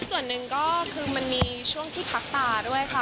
ส่วนหนึ่งก็คือมันมีช่วงที่พักตาด้วยค่ะ